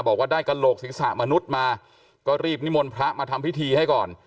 บอกว่าได้กระโหลกศีรษะมนุษย์มาก็รีบนิมนต์พระมาทำพิธีให้ก่อน